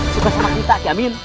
suka sama kita yamin